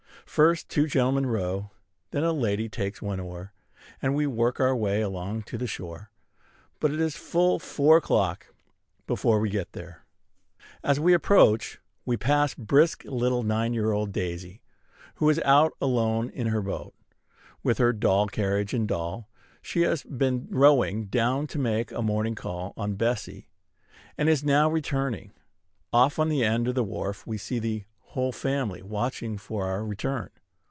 First two gentlemen row; then a lady takes one oar, and we work our way along to the shore; but it is full four o'clock before we get there. As we approach, we pass brisk little nine year old Daisy, who is out alone in her boat, with her doll carriage and doll. She has been rowing down to make a morning call on Bessie, and is now returning. Off on the end of the wharf we see the whole family watching for our return.